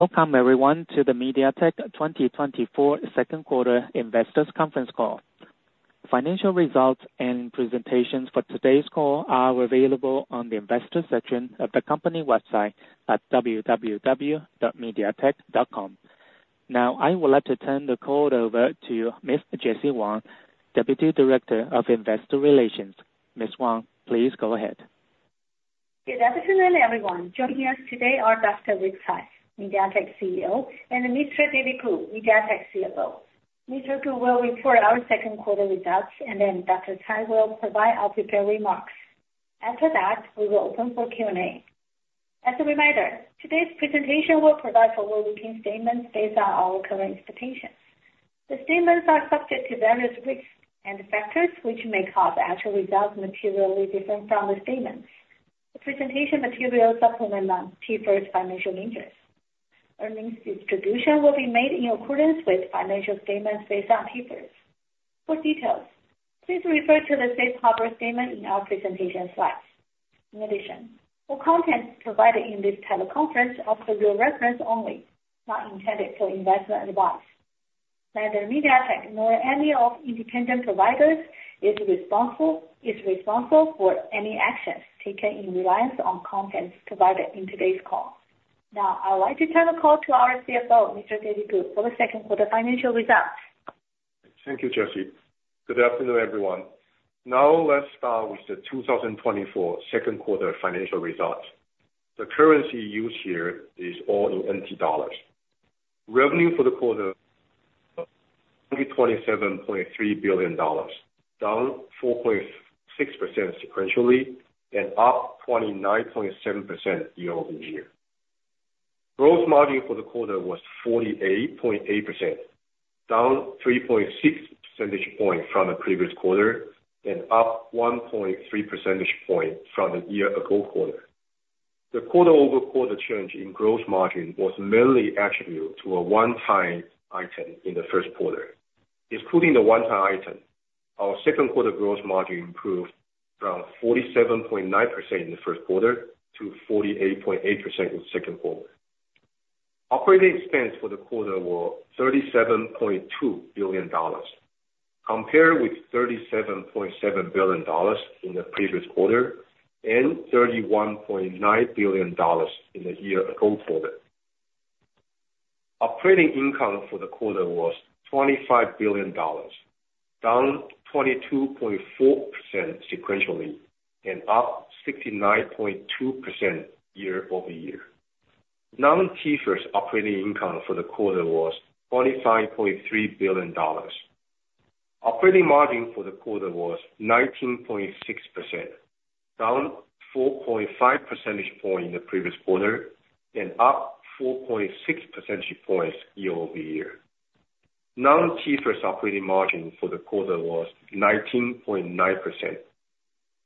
Welcome everyone to the MediaTek 2024 Q2 Investors Conference Call. Financial results and presentations for today's call are available on the investor section of the company website at www.mediatek.com. Now, I would like to turn the call over to Miss Jessie Wang, Deputy Director of Investor Relations. Miss Wang, please go ahead. Good afternoon, everyone. Joining us today are Dr. Rick Tsai, MediaTek CEO, and Mr. David Ku, MediaTek CFO. Mr. Ku will report our Q2 results, and then Dr. Tsai will provide opening remarks. After that, we will open for Q&A. As a reminder, today's presentation will provide forward-looking statements based on our current expectations. The statements are subject to various risks and factors, which may cause actual results materially different from the statements. The presentation materials supplement TIFRS financial measures. Earnings distribution will be made in accordance with financial statements based on TIFRS. For details, please refer to the safe harbor statement in our presentation slides. In addition, all content provided in this teleconference is for your reference only, not intended for investment advice. Neither MediaTek nor any of its independent providers is responsible for any actions taken in reliance on content provided in today's call. Now, I'd like to turn the call to our CFO, Mr. David Ku, for the Q2 financial results. Thank you, Jesse. Good afternoon, everyone. Now let's start with the 2024 Q2 financial results. The currency used here is all in TWD. Revenue for the quarter, 27.3 billion dollars, down 4.6 sequentially, and up 29.7% year-over-year. Gross margin for the quarter was 48.8%, down 3.6 percentage points from the previous quarter and up 1.3 percentage point from the year ago quarter. The quarter-over-quarter change in gross margin was mainly attributed to a one-time item in the Q1. Excluding the one-time item, our Q2 gross margin improved from 47.9% in the Q1 to 48.8% in the Q2. Operating expense for the quarter were 37.2 billion dollars, compared with 37.7 billion dollars in the previous quarter and 31.9 billion dollars in the year-ago quarter. Operating income for the quarter was 25 billion dollars, down 22.4% sequentially and up 69.2% year-over-year. Non-IFRS operating income for the quarter was 25.3 billion dollars. Operating margin for the quarter was 19.6%, down 4.5 percentage point in the previous quarter and up 4.6 percentage points year-over-year. Non-IFRS operating margin for the quarter was 19.9%.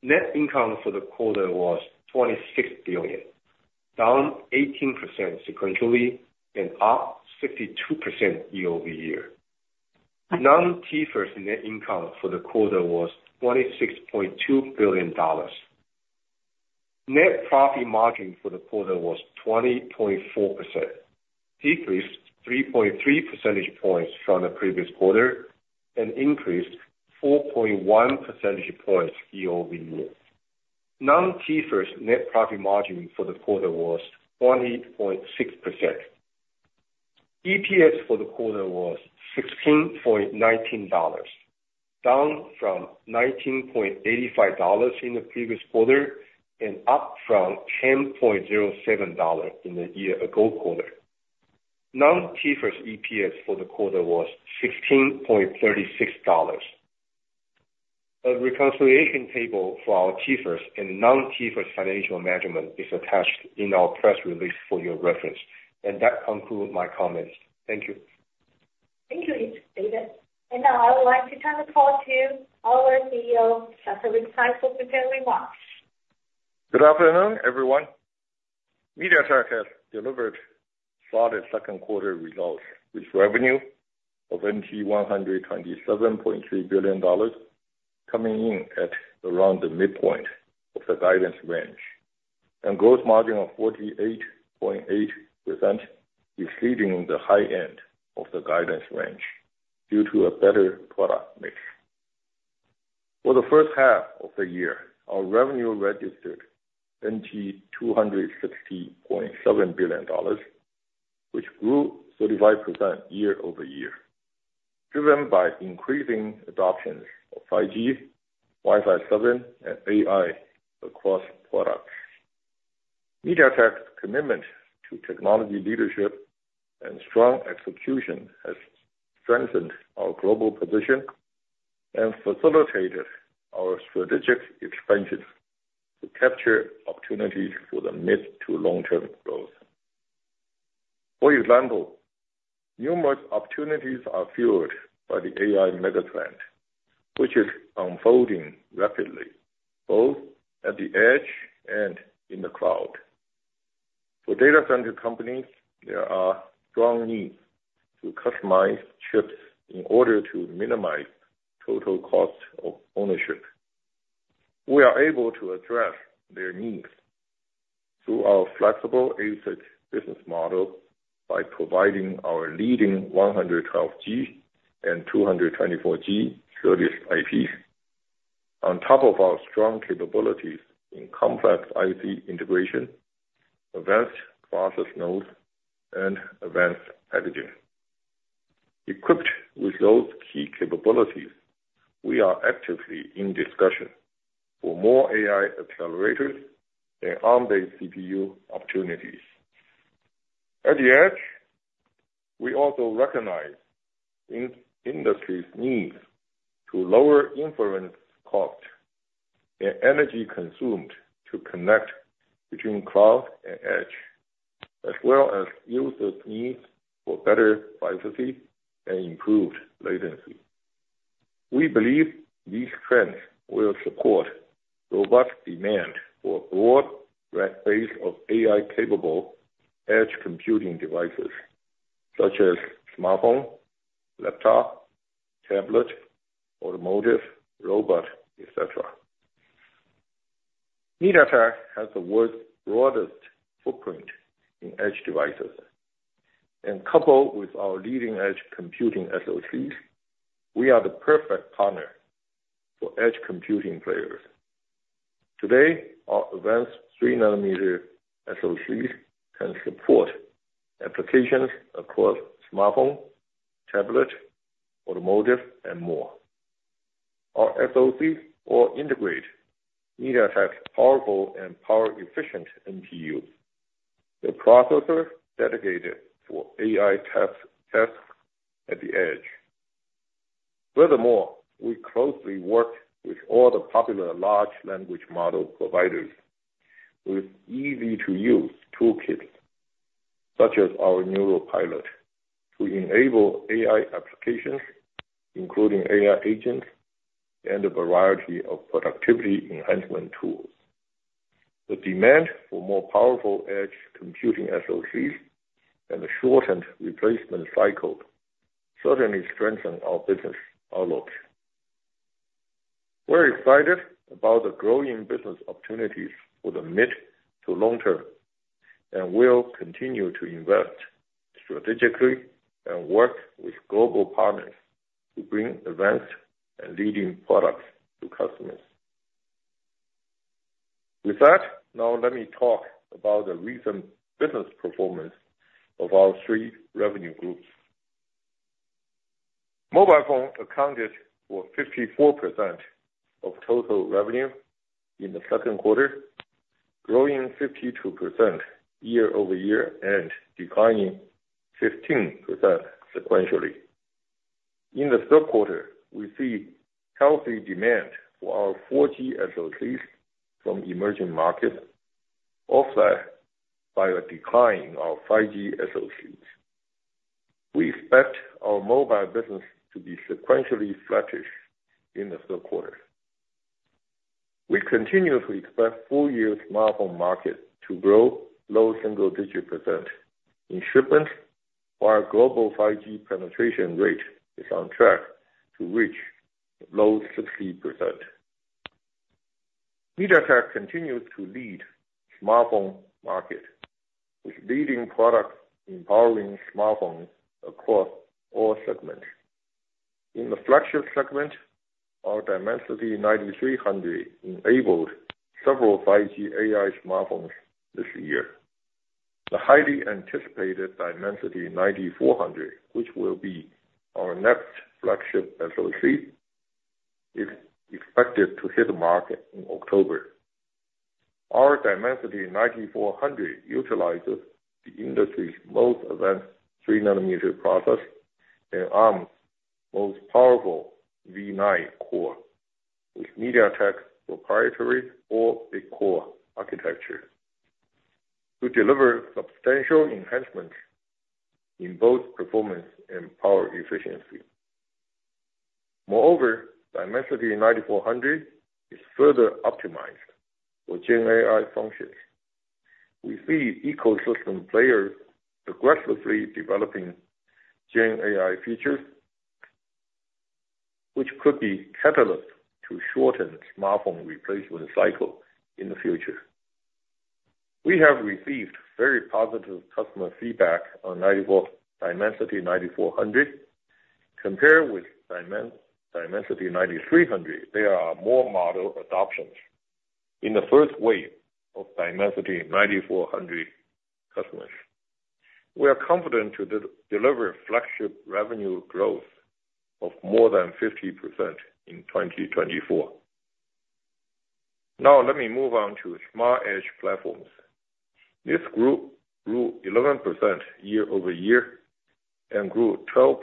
Net income for the quarter was 26 billion, down 18% sequentially and up 52% year-over-year. Non-IFRS net income for the quarter was 26.2 billion dollars. Net profit margin for the quarter was 20.4%, decreased 3.3 percentage points from the previous quarter and increased 4.1 percentage points year-over-year. Non-TIFRS net profit margin for the quarter was 20.6%. EPS for the quarter was 16.19 dollars, down from 19.85 dollars in the previous quarter and up from 10.07 dollars in the year ago quarter. Non-TIFRS EPS for the quarter was 16.36 dollars. A reconciliation table for our TIFRS and non-TIFRS financial measurement is attached in our press release for your reference. That concludes my comments. Thank you. Thank you, David. And now I would like to turn the call to our CEO, Dr. Rick Tsai, for prepared remarks. Good afternoon, everyone. MediaTek has delivered solid Q2 results, with revenue of NT$127.3 billion, coming in at around the midpoint of the guidance range, and gross margin of 48.8%, exceeding the high end of the guidance range due to a better product mix. For the H2 of the year, our revenue registered NT$260.7 billion, which grew 35% year-over-year, driven by increasing adoptions of 5G, Wi-Fi 7, and AI across products. MediaTek's commitment to technology leadership and strong execution has strengthened our global position and facilitated our strategic expansion to capture opportunities for the mid to long-term growth. For example, numerous opportunities are fueled by the AI mega trend, which is unfolding rapidly, both at the edge and in the cloud. For data center companies, there are strong needs to customize chips in order to minimize total cost of ownership... We are able to address their needs through our flexible ASIC business model by providing our leading 112G and 224G SerDes IP. On top of our strong capabilities in complex IC integration, advanced process nodes, and advanced packaging. Equipped with those key capabilities, we are actively in discussion for more AI accelerators and Arm-based CPU opportunities. At the edge, we also recognize the industry's needs to lower inference cost and energy consumed to connect between cloud and edge, as well as users' needs for better privacy and improved latency. We believe these trends will support robust demand for a broad range of AI-capable edge computing devices, such as smartphone, laptop, tablet, automotive, robot, et cetera. MediaTek has the world's broadest footprint in edge devices, and coupled with our leading-edge computing SoCs, we are the perfect partner for edge computing players. Today, our advanced 3 nanometer SoCs can support applications across smartphone, tablet, automotive, and more. Our SoCs all integrate MediaTek's powerful and power efficient NPUs, the processor dedicated for AI task, task at the edge. Furthermore, we closely work with all the popular large language model providers with easy-to-use toolkit, such as our NeuralPilot, to enable AI applications, including AI agents and a variety of productivity enhancement tools. The demand for more powerful edge computing SoCs and the shortened replacement cycle certainly strengthen our business outlook. We're excited about the growing business opportunities for the mid to long term, and we'll continue to invest strategically and work with global partners to bring advanced and leading products to customers. With that, now let me talk about the recent business performance of our three revenue groups. Mobile phone accounted for 54% of total revenue in the Q2, growing 52% year-over-year and declining 15% sequentially. In the Q3, we see healthy demand for our 4G SoCs from emerging markets, offset by a decline in our 5G SoCs. We expect our mobile business to be sequentially flattish in the Q3. We continuously expect full-year smartphone market to grow low single-digit % in shipments, while global 5G penetration rate is on track to reach low 60%. MediaTek continues to lead smartphone market with leading products empowering smartphones across all segments. In the flagship segment, our Dimensity 9300 enabled several 5G AI smartphones this year. The highly anticipated Dimensity 9400, which will be our next flagship SoC, is expected to hit the market in October. Our Dimensity 9400 utilizes the industry's most advanced 3nm process and Arm's most powerful v9 core, with MediaTek's proprietary 4 big core architecture, to deliver substantial enhancement in both performance and power efficiency. Moreover, Dimensity 9400 is further optimized for Gen AI functions. We see ecosystem players aggressively developing Gen AI features, which could be catalyst to shorten smartphone replacement cycle in the future. We have received very positive customer feedback on Dimensity 9400. Compared with Dimensity 9300, there are more model adoptions in the first wave of Dimensity 9400 customers. We are confident to deliver flagship revenue growth of more than 50% in 2024. Now, let me move on to smart edge platforms. This group grew 11% year-over-year and grew 12%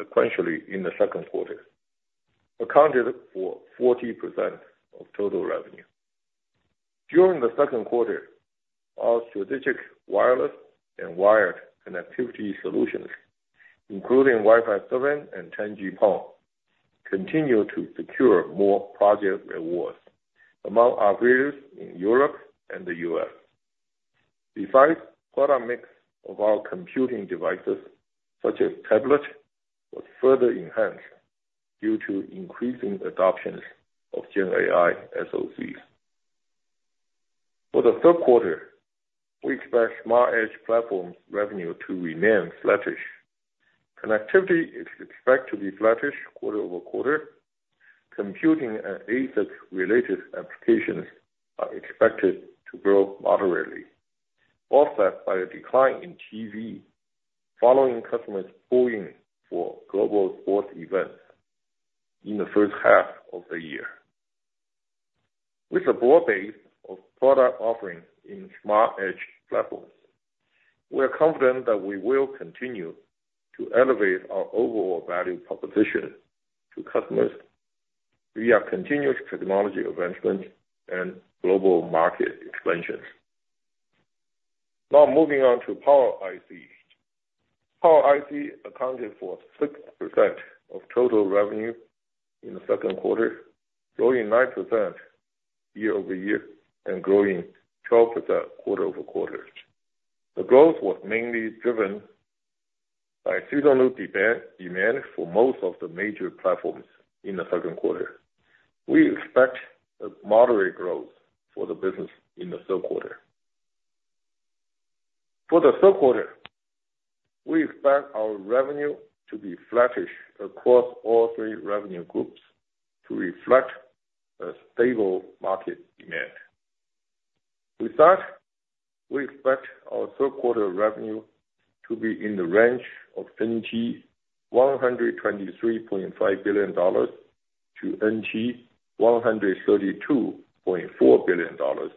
sequentially in the Q2, accounted for 40% of total revenue. During the Q2, our strategic wireless and wired connectivity solutions, including Wi-Fi 7 and 10G PON, continued to secure more project awards among operators in Europe and the US. Besides, product mix of our computing devices, such as tablet, was further enhanced due to increasing adoptions of Gen AI SoCs. For the Q3, we expect smart edge platforms revenue to remain flattish. Connectivity is expected to be flattish quarter-over-quarter. Computing and ASIC-related applications are expected to grow moderately, offset by a decline in TV following customers pulling for global sports events in the H1 of the year. With a broad base of product offerings in smart edge platforms, we are confident that we will continue to elevate our overall value proposition to customers via continuous technology advancement and global market expansions. Now moving on to power IC. Power IC accounted for 6% of total revenue in the Q2, growing 9% year-over-year and growing 12% quarter-over-quarter. The growth was mainly driven by seasonal demand for most of the major platforms in the Q2. We expect a moderate growth for the business in the Q3. For the Q3, we expect our revenue to be flattish across all three revenue groups to reflect a stable market demand. With that, we expect our Q3 revenue to be in the range of 123.5 billion dollars to 132.4 billion dollars,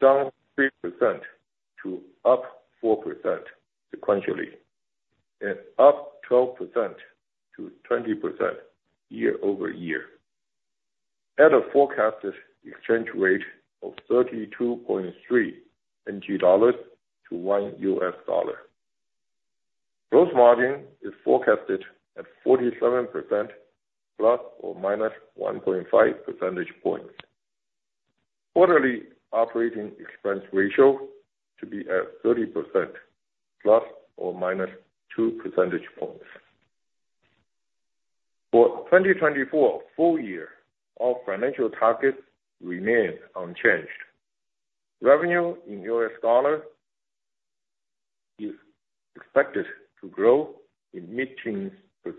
down 3% to up 4% sequentially, and up 12%-20% year-over-year, at a forecasted exchange rate of 32.3 dollars to $1. Gross margin is forecasted at 47%, ±1.5 percentage points. Quarterly operating expense ratio to be at 30%, ±2 percentage points. For 2024 full year, our financial targets remain unchanged. Revenue in US dollar is expected to grow in mid-teens%,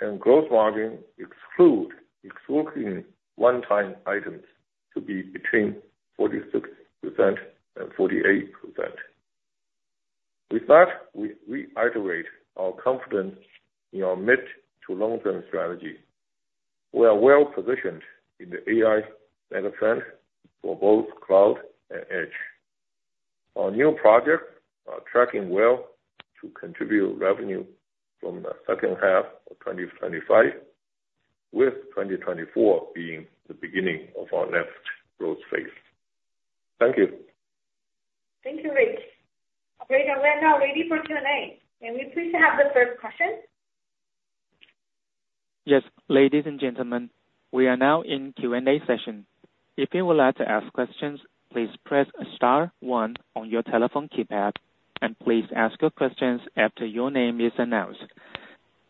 and gross margin, excluding one-time items, to be between 46% and 48%. With that, we iterate our confidence in our mid- to long-term strategy. We are well positioned in the AI megatrend for both cloud and edge. Our new projects are tracking well to contribute revenue from the H2 of 2025, with 2024 being the beginning of our next growth phase. Thank you. Thank you, Rick. Great, we are now ready for Q&A. We're pleased to have the first question? Yes, ladies and gentlemen, we are now in Q&A session. If you would like to ask questions, please press star one on your telephone keypad, and please ask your questions after your name is announced.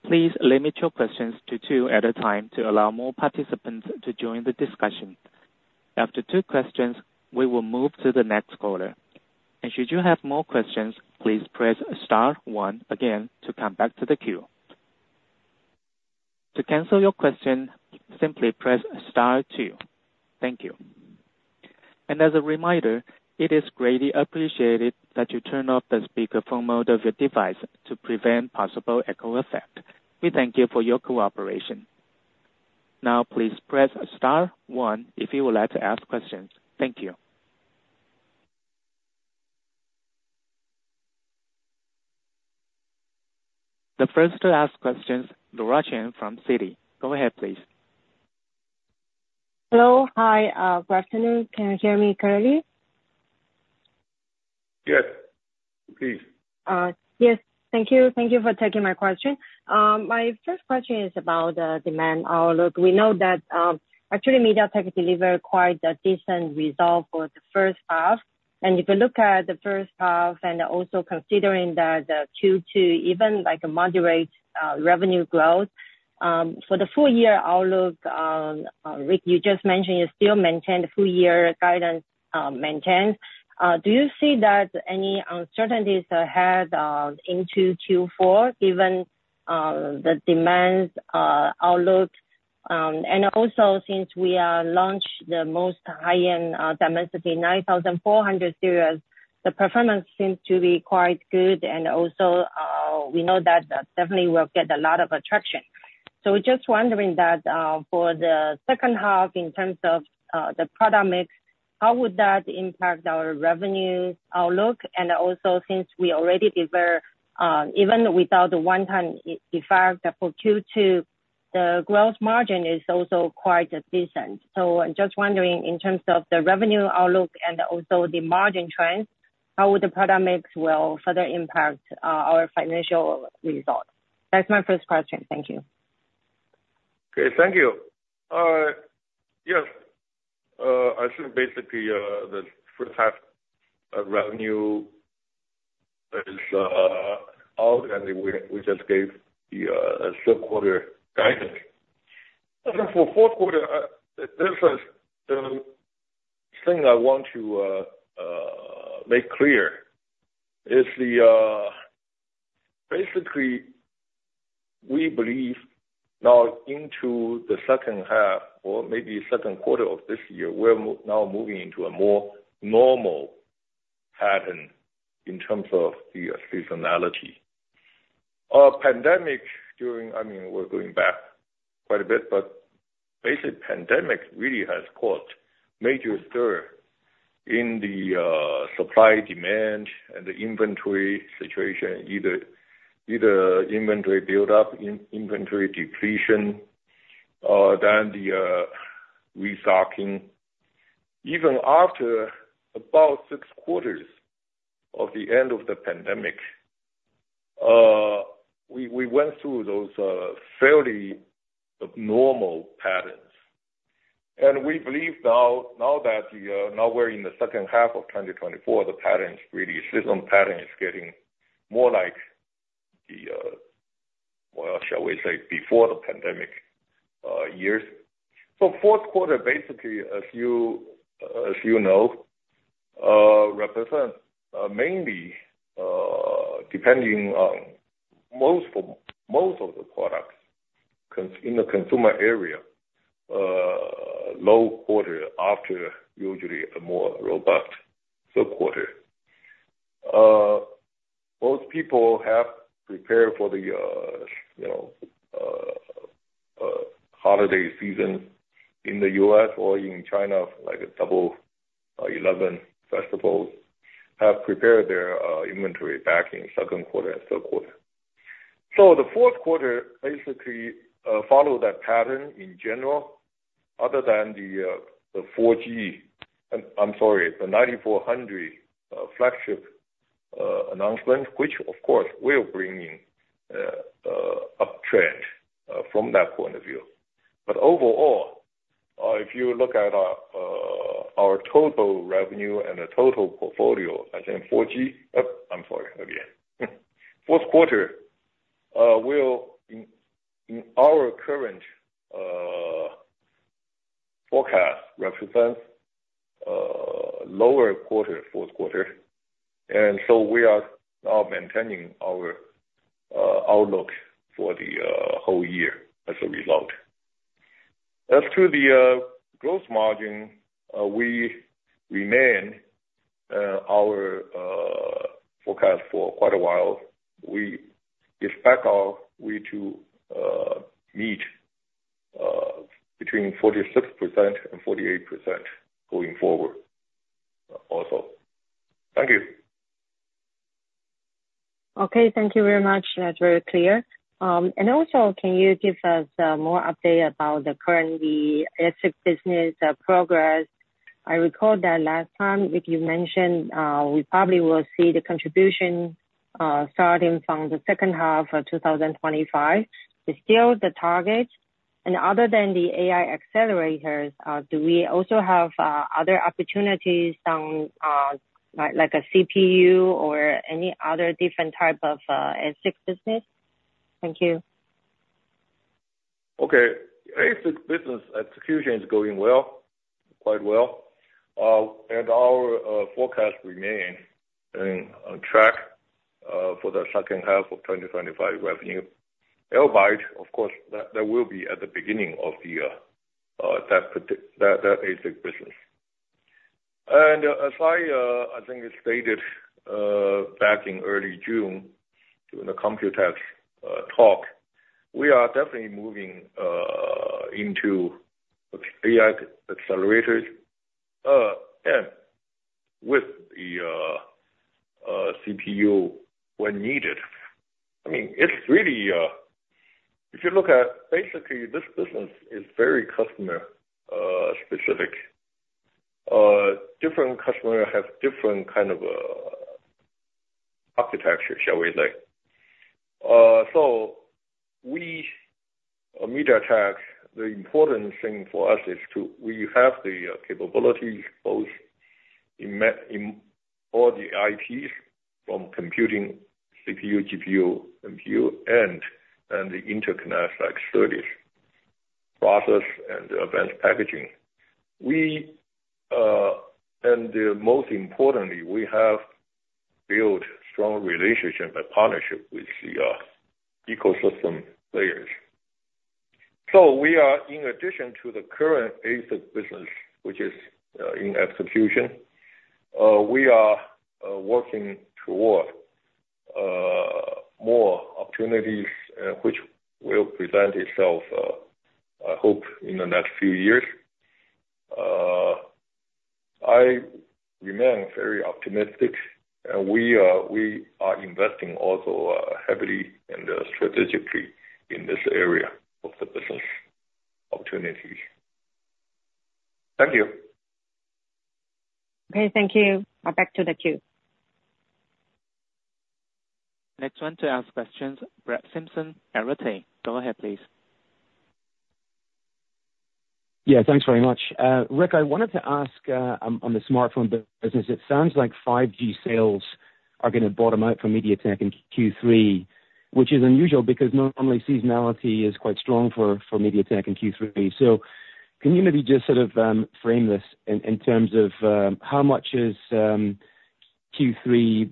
Please limit your questions to two at a time to allow more participants to join the discussion. After two questions, we will move to the next caller. Should you have more questions, please press star one again to come back to the queue. To cancel your question, simply press star two. Thank you. As a reminder, it is greatly appreciated that you turn off the speakerphone mode of your device to prevent possible echo effect. We thank you for your cooperation. Now, please press star one if you would like to ask questions. Thank you. The first to ask questions, Laura Chen from Citi. Go ahead, please. Hello. Hi, good afternoon. Can you hear me clearly? Yes, please. Yes, thank you. Thank you for taking my question. My first question is about the demand outlook. We know that, actually, MediaTek delivered quite a decent result for the H1. And if you look at the H1 and also considering that the Q2, even like a moderate revenue growth for the full year outlook, Rick, you just mentioned you still maintain the full year guidance maintained. Do you see that any uncertainties ahead into 2024, given the demand outlook? And also, since we launched the most high-end Dimensity 9400 series, the performance seems to be quite good, and also we know that that definitely will get a lot of attention. So just wondering that, for the H2, in terms of, the product mix, how would that impact our revenue outlook? And also, since we already deliver, even without the one-time effect for Q2, the gross margin is also quite decent. So just wondering, in terms of the revenue outlook and also the margin trends, how the product mix will further impact, our financial results? That's my first question. Thank you.... Okay, thank you. Yes, I think basically, the H1 of revenue is out, and we just gave the Q3 guidance. And then for Q4, this is the thing I want to make clear, is basically, we believe now into the H2 or maybe Q2 of this year, we're now moving into a more normal pattern in terms of the seasonality. Pandemic during, I mean, we're going back quite a bit, but basically pandemic really has caused major stir in the supply, demand, and the inventory situation, either inventory buildup, inventory depletion, then the restocking. Even after about six quarters of the end of the pandemic, we went through those fairly abnormal patterns. We believe now, now that the, now we're in the H2 of 2024, the pattern's really, the seasonal pattern is getting more like the, well, shall we say, before the pandemic years. So Q4, basically, as you know, represents mainly, depending on most of the products in the consumer area, a low quarter after usually a more robust Q3. Most people have prepared for the, you know, holiday season in the US or in China, like a Double Eleven Festival, have prepared their inventory back in Q2 and Q3. So the Q4 basically follow that pattern in general, other than the 4G... I'm sorry, the 9400 flagship announcement, which of course will bring in uptrend from that point of view. But overall, if you look at our total revenue and the total portfolio, I think Q4 will in our current forecast represent lower quarter, Q4, and so we are now maintaining our outlook for the whole year as a result. As to the gross margin, we remain our forecast for quite a while. We expect our way to meet between 46% and 48% going forward also. Thank you. Okay, thank you very much. That's very clear. And also, can you give us more update about the current ASIC business progress? I recall that last time, if you mentioned, we probably will see the contribution starting from the H2 of 2025, is still the target? And other than the AI accelerators, do we also have other opportunities on, like a CPU or any other different type of ASIC business? Thank you. Okay. ASIC business execution is going well, quite well. And our forecast remain on track for the H2 of 2025 revenue. AI, right, of course, that will be at the beginning of the that ASIC business. And as I think I stated back in early June, during the Computex talk, we are definitely moving into AI accelerators and with the CPU when needed. I mean, it's really if you look at basically, this business is very customer specific. Different customer have different kind of architecture, shall we say. So we, MediaTek, the important thing for us is to we have the capabilities both in all the IPs from computing CPU, GPU, NPU, and the interconnect like SerDes, processors and advanced packaging. We, and most importantly, we have built strong relationship and partnership with the, ecosystem players. So we are, in addition to the current ASIC business, which is, in execution, we are, working toward, more opportunities, which will present itself, I hope in the next few years. I remain very optimistic, and we are, we are investing also, heavily and, strategically in this area of the business opportunity. Thank you. Okay, thank you. Now back to the queue. ... Next one to ask questions, Brett Simpson, Arete. Go ahead, please. Yeah, thanks very much. Rick, I wanted to ask, on the smartphone business, it sounds like 5G sales are going to bottom out for MediaTek in Q3, which is unusual, because normally seasonality is quite strong for MediaTek in Q3. So can you maybe just sort of frame this in terms of how much is Q3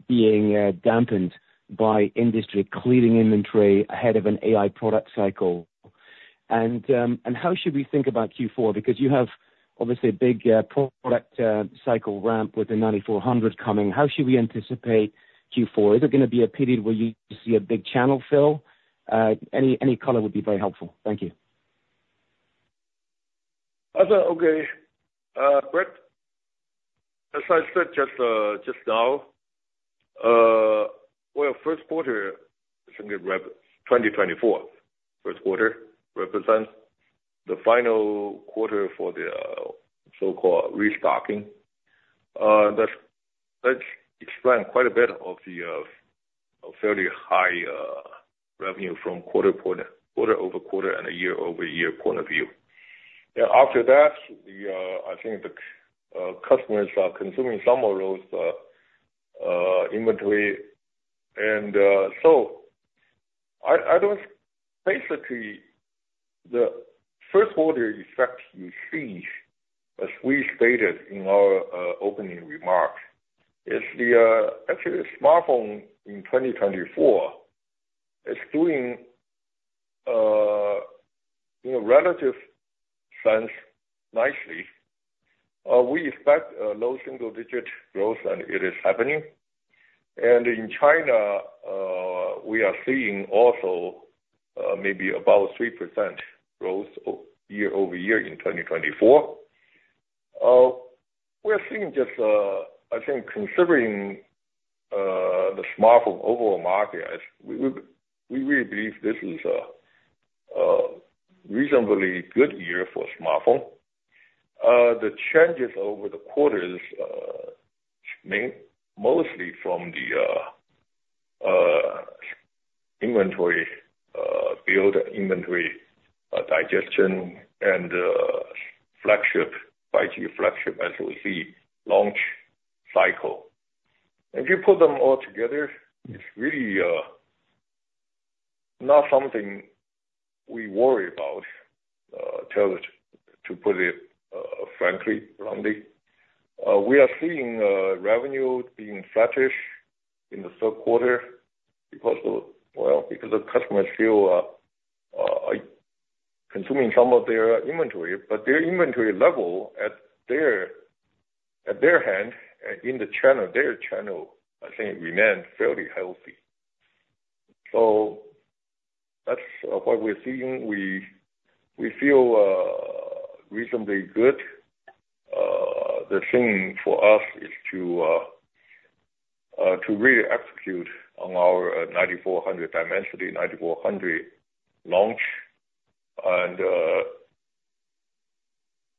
being dampened by industry clearing inventory ahead of an AI product cycle? And how should we think about Q4? Because you have obviously a big product cycle ramp with the 9400 coming. How should we anticipate Q4? Is it going to be a period where you see a big channel fill? Any color would be very helpful. Thank you. Okay. Brett, as I said, just now, well, Q1, second rev, 2024, Q1 represents the final quarter for the so-called restocking. That explained quite a bit of the fairly high revenue from quarter-over-quarter and year-over-year point of view. Yeah, after that, I think the customers are consuming some of those inventory. So I don't-- Basically, the Q1 effect you see, as we stated in our opening remarks, is actually the smartphone in 2024 is doing, in a relative sense, nicely. We expect a low single digit growth, and it is happening. And in China, we are seeing also maybe about 3% growth year-over-year in 2024. We're seeing just, I think considering, the smartphone overall market, as we really believe this is a reasonably good year for smartphone. The changes over the quarters, mostly from the inventory build inventory digestion and flagship 5G flagship, as we see, launch cycle. If you put them all together, it's really not something we worry about, to put it frankly, wrongly. We are seeing revenue being flattish in the Q3, because, well, because the customers still are consuming some of their inventory, but their inventory level at their hand in the channel, their channel, I think remained fairly healthy. So that's what we're seeing. We feel reasonably good. The thing for us is to really execute on our Dimensity 9400, Dimensity 9400 launch, and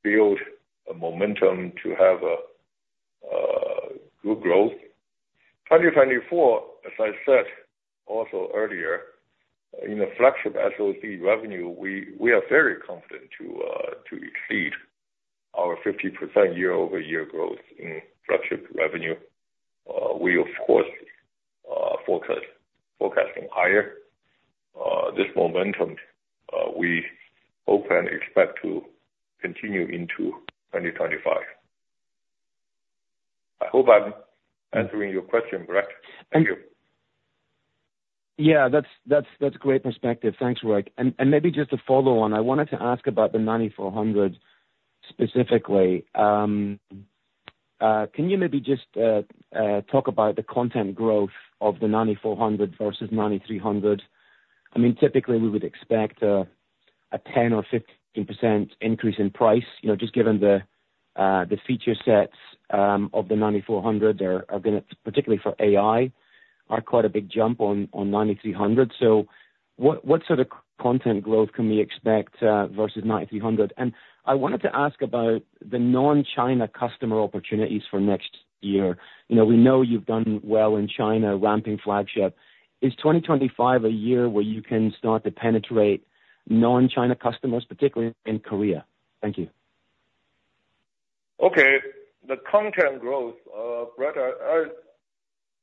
build a momentum to have a good growth. 2024, as I said also earlier, in the flagship SoC revenue, we, we are very confident to exceed our 50% year-over-year growth in flagship revenue. We of course forecast, forecasting higher. This momentum, we hope and expect to continue into 2025. I hope I'm answering your question, Brett. Thank you. Yeah, that's great perspective. Thanks, Rick. And maybe just a follow on. I wanted to ask about the 9400 specifically. Can you maybe just talk about the content growth of the 9400 versus 9300? I mean, typically we would expect a 10% or 15% increase in price, you know, just given the feature sets of the 9400, there are gonna, particularly for AI, are quite a big jump on 9300. So what sort of content growth can we expect versus 9300? And I wanted to ask about the non-China customer opportunities for next year. You know, we know you've done well in China, ramping flagship. Is 2025 a year where you can start to penetrate non-China customers, particularly in Korea? Thank you. Okay. The content growth, Brett,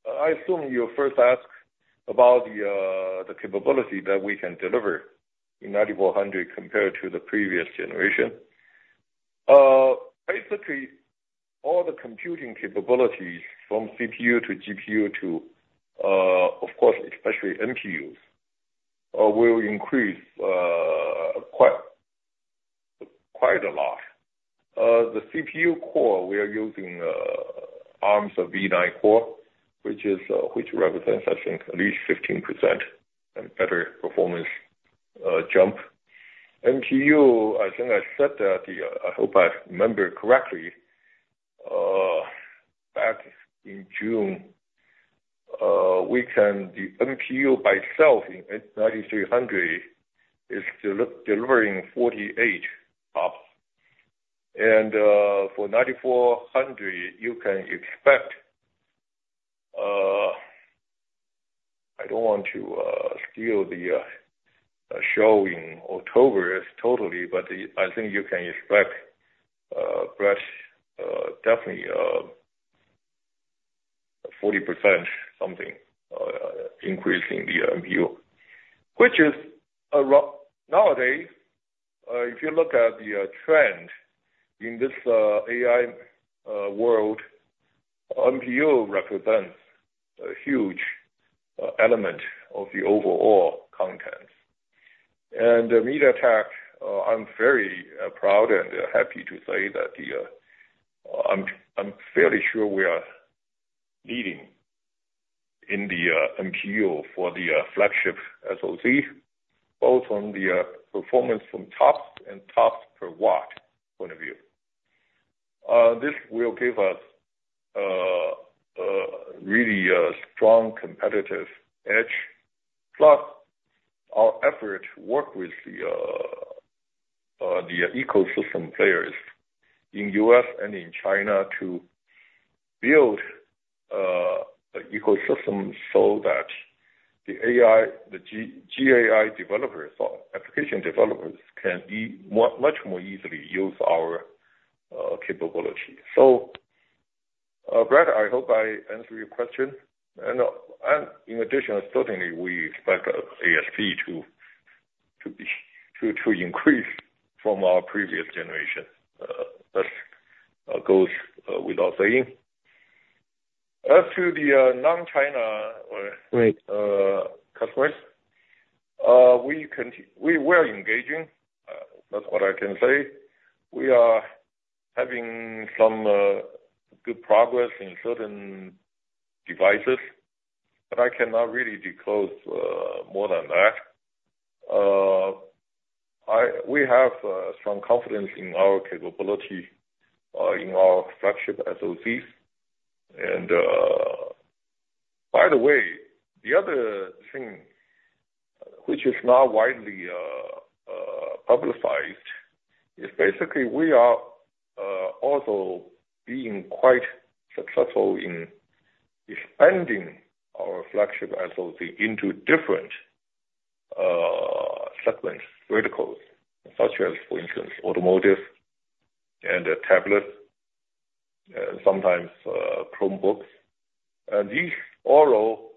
I assume you first ask about the capability that we can deliver in 9400 compared to the previous generation. Basically, all the computing capabilities from CPU to GPU to, of course, especially NPUs, will increase quite a lot. The CPU core, we are using Arm's v9 core, which represents, I think, at least 15% and better performance jump. NPU, I think I said that, I hope I remember correctly, back in June, the NPU by itself in 9300 is delivering 48 TOPS.... For 9400, you can expect, I don't want to steal the show in October totally, but I think you can expect, fresh, definitely, 40% something, increase in the NPU. Which is, nowadays, if you look at the trend in this AI world, NPU represents a huge element of the overall content. And MediaTek, I'm very proud and happy to say that the, I'm, I'm fairly sure we are leading in the NPU for the flagship SoC, both on the performance from TOPS and TOPS per watt point of view. This will give us really a strong competitive edge, plus our effort to work with the ecosystem players in US. and in China to build the ecosystem so that the AI, the Gen AI developers or application developers can be much, much more easily use our capability. So, Brad, I hope I answered your question. And in addition, certainly we expect ASP to increase from our previous generation. That goes without saying. As to the non-China— Right. Customers, we, we're engaging, that's what I can say. We are having some good progress in certain devices, but I cannot really disclose more than that. I, we have some confidence in our capability in our flagship SoCs. By the way, the other thing which is not widely publicized is basically we are also being quite successful in expanding our flagship SoC into different segments, verticals, such as, for instance, automotive and tablets, sometimes, Chromebooks. These all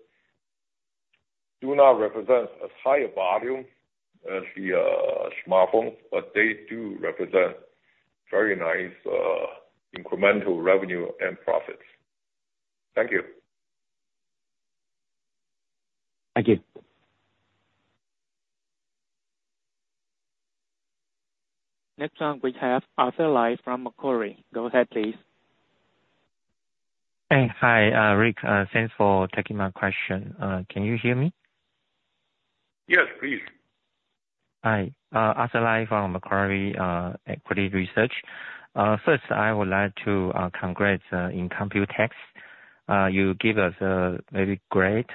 do not represent as high a volume as the smartphone, but they do represent very nice incremental revenue and profits. Thank you. Thank you. Next one, we have Arthur Lai from Macquarie. Go ahead, please. Hey, hi, Rick. Thanks for taking my question. Can you hear me? Yes, please. Hi. Arthur Lai from Macquarie Equity Research. First, I would like to congrats in Computex. You gave us a very great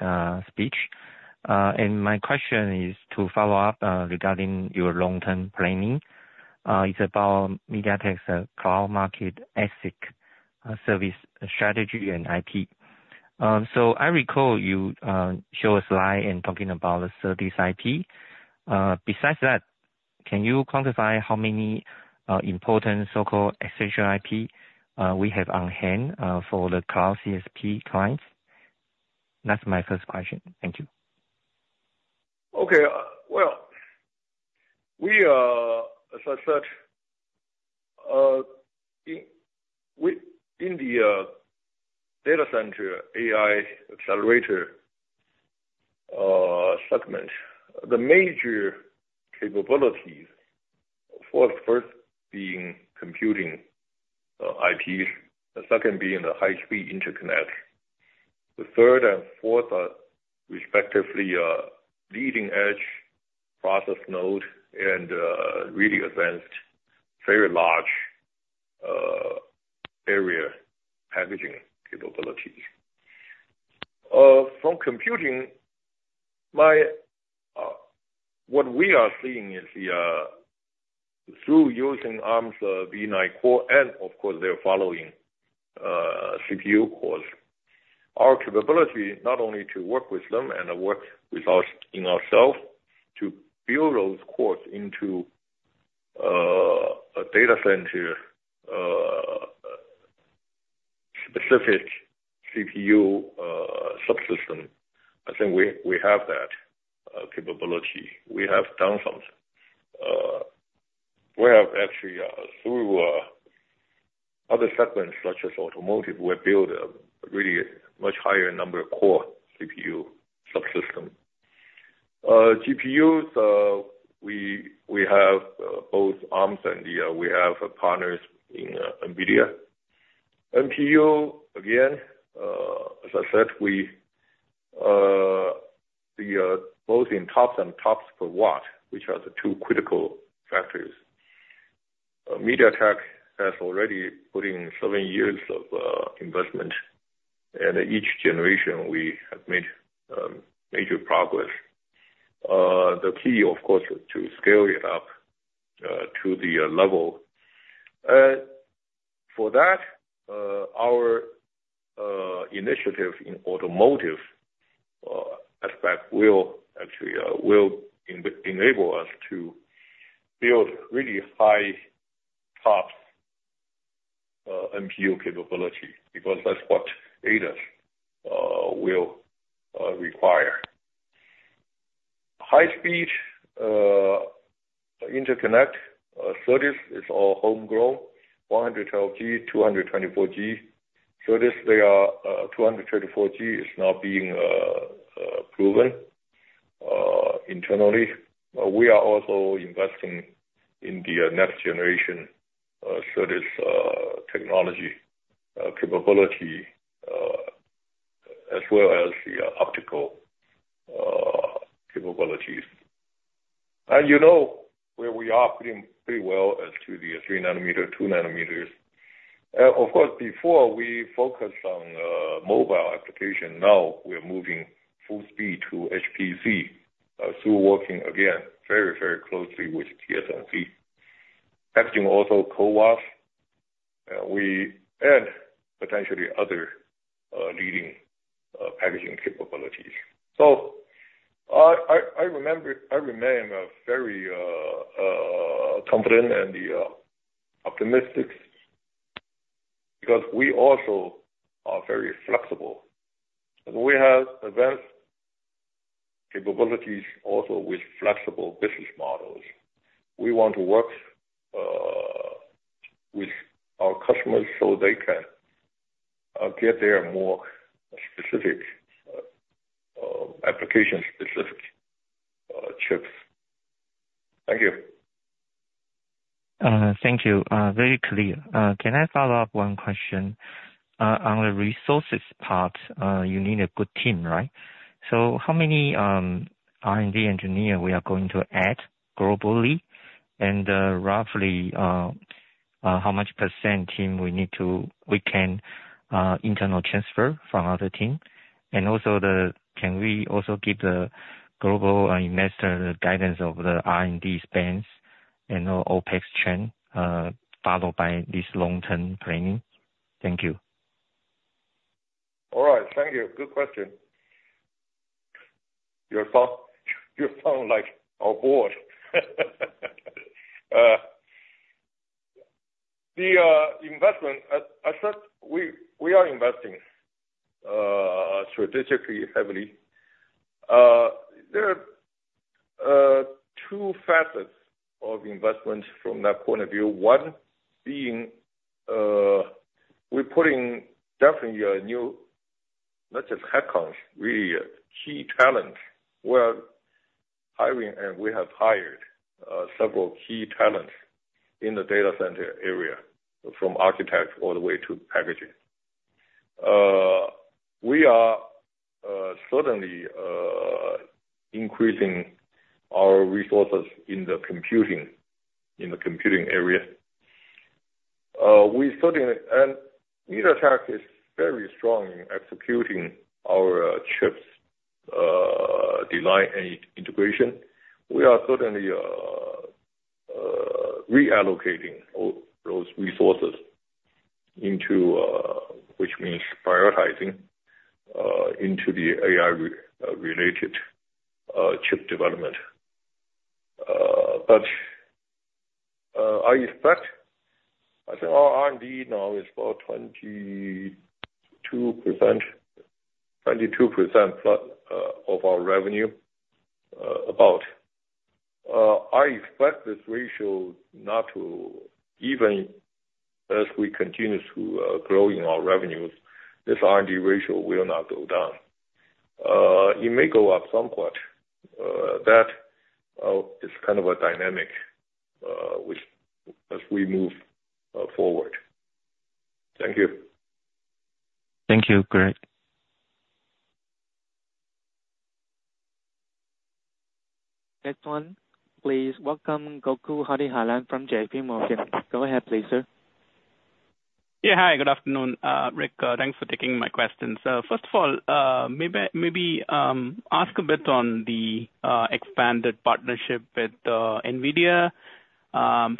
speech. And my question is to follow up regarding your long-term planning. It's about MediaTek's cloud market ASIC service strategy and IP. So I recall you show a slide in talking about the SerDes IP. Besides that, can you quantify how many important so-called essential IP we have on hand for the cloud CSP clients? That's my first question. Thank you. Okay, well, we are, as I said, in the data center AI accelerator segment, the major capabilities, the first being computing IP, the second being the high-speed interconnect. The third and fourth are respectively, leading-edge process node and really advanced, very large area packaging capability. From computing, what we are seeing is the through using Arm's v9 core, and of course, their following CPU cores, our capability not only to work with them and work with us, in ourselves, to build those cores into a data center specific CPU subsystem. I think we have that capability. We have done something. We have actually through other segments such as automotive, we build a really much higher number of core CPU subsystem. GPUs, we have both Arm and we have partners in NVIDIA. NPU, again, as I said, both in TOPS and TOPS per watt, which are the two critical factors. MediaTek has already put in seven years of investment, and each generation, we have made major progress. The key, of course, to scale it up to the level. For that, our initiative in automotive aspect will actually enable us to build really high TOPS NPU capability, because that's what ADAS will require. High-speed interconnect SerDes is all homegrown, 112G, 224G SerDes. They are, 224G is now being proven internally. We are also investing in the next generation SerDes technology capability as well as the optical capabilities. And, you know, where we are doing pretty well as to the 3 nanometer, 2 nanometers. Of course, before we focused on mobile application, now we're moving full speed to HPC through working again, very, very closely with TSMC. Packaging also CoWoS, we add potentially other leading packaging capabilities. So I remain very confident and optimistic, because we also are very flexible. And we have advanced capabilities also with flexible business models. We want to work with our customers so they can get their more specific application-specific chips. Thank you. Thank you. Very clear. Can I follow up one question? On the resources part, you need a good team, right? So how many R&D engineer we are going to add globally? And, roughly, how much percent team we need to- we can internal transfer from other team? And also, can we also give the global investor the guidance of the R&D spends and the OpEx trend, followed by this long-term planning? Thank you. All right. Thank you. Good question. You sound like our board. The investment, as such, we are investing strategically, heavily. There are two facets of investment from that point of view. One being, we're putting definitely a new, not just headcounts, really key talent. We're hiring, and we have hired several key talent in the data center area, from architects all the way to packaging. We are certainly increasing our resources in the computing area. We certainly... And NVIDIA is very strong in executing our chips design and integration. We are certainly reallocating all those resources into, which means prioritizing into the AI-related chip development. But I expect, I think our R&D now is about 22%, 22% of our revenue, about. I expect this ratio not to even as we continue to growing our revenues, this R&D ratio will not go down. It may go up somewhat. That is kind of a dynamic which as we move forward. Thank you. Thank you. Great. Next one, please welcome Gokul Hariharan from JPMorgan. Go ahead, please, sir. Yeah, hi, good afternoon, Rick. Thanks for taking my questions. First of all, maybe ask a bit on the expanded partnership with NVIDIA.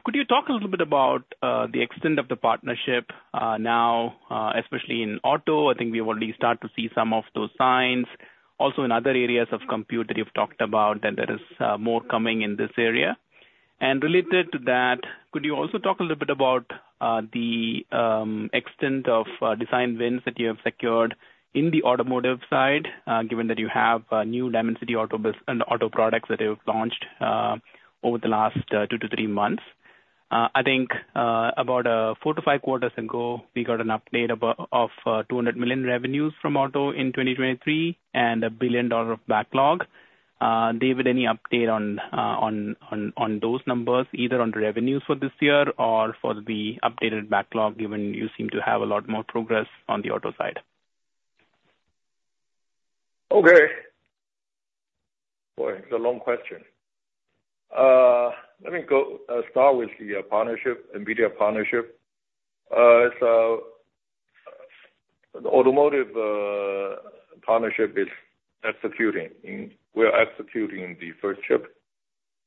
Could you talk a little bit about the extent of the partnership now, especially in auto? I think we already start to see some of those signs. Also, in other areas of compute that you've talked about, and there is more coming in this area. And related to that, could you also talk a little bit about the extent of design wins that you have secured in the automotive side, given that you have new Dimensity Auto SoCs and auto products that you've launched over the last two to three months? I think about four to five quarters ago, we got an update about $200 million revenues from auto in 2023, and $1 billion of backlog. David, any update on those numbers, either on revenues for this year or for the updated backlog, given you seem to have a lot more progress on the auto side? Okay. Boy, it's a long question. Let me go start with the partnership, NVIDIA partnership. The automotive partnership is executing, and we are executing the first chip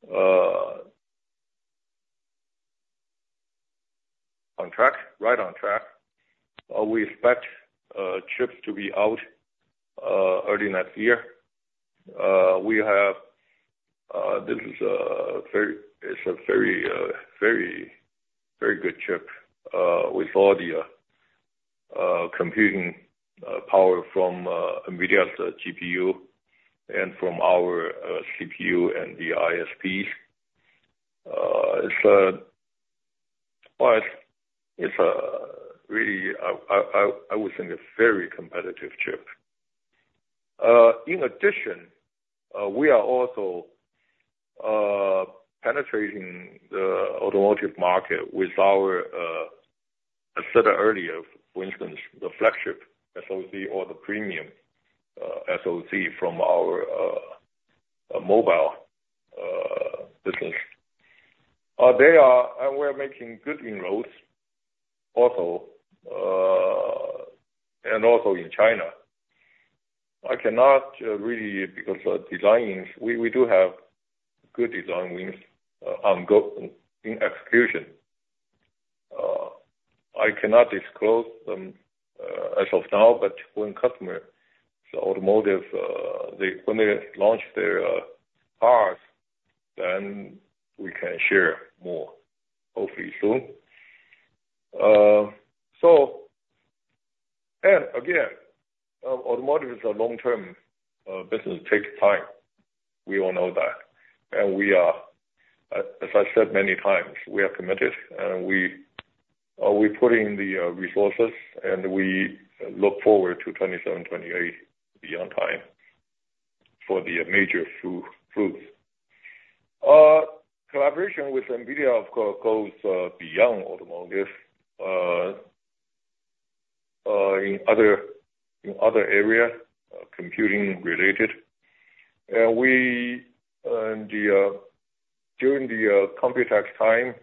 on track, right on track. We expect chips to be out early next year. We have this is a very—it's a very, very, very good chip with all the computing power from NVIDIA's GPU and from our CPU and the ISPs. It's a, well, it's, it's a really, I, I, I would think a very competitive chip. In addition, we are also penetrating the automotive market with our, I said earlier, for instance, the flagship SoC or the premium SoC from our mobile business. They are, and we're making good inroads also, and also in China. I cannot really, because of design wins, we, we do have good design wins, ongoing in execution. I cannot disclose them, as of now, but when customer, so automotive, they, when they launch their, cars, then we can share more, hopefully soon. And again, automotive is a long-term, business, takes time. We all know that. And we are, as, as I said many times, we are committed, and we are, we put in the, resources, and we look forward to 2027, 2028 beyond time for the major fruits. Collaboration with NVIDIA of co- goes, beyond automotive, in other, in other area, computing related. We, in the Computex time,